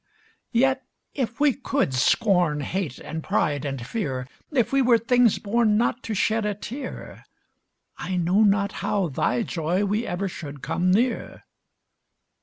Yet, if we could scorn, Hate and pride, and fear; If we were things born Not to shed a tear, I know not how thy joy we ever should come near.